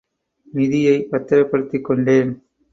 நிதியைப் பத்திரப்படுத்திக் கொண்டேன்.